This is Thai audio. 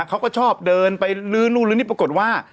เขาก็ชอบเดินไปลื้นนี่ปรากฏว่า